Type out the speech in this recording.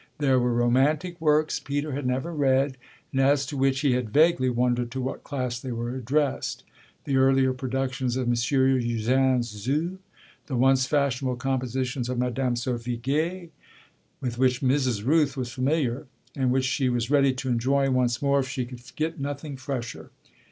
There were romantic works Peter had never read and as to which he had vaguely wondered to what class they were addressed the earlier productions of M. Eugène Sue, the once fashionable compositions of Madame Sophie Gay with which Mrs. Rooth was familiar and which she was ready to enjoy once more if she could get nothing fresher.